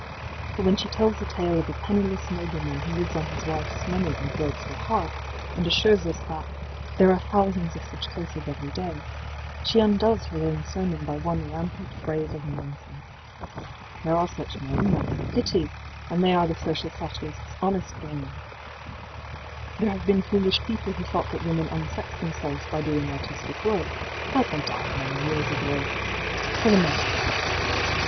But when she tells the tale of a penniless nobleman who lives on his wifeís money and breaks her heart, and assures us that ëthere are thousands of such cases every day,í she undoes her own sermon by one rampant phrase of nonsense There are such men, moreís the pity, and they are the social satiristís honest game There have been foolish people who thought that women unsexed themselves by doing artistic work, but they died many years ago, for the most part.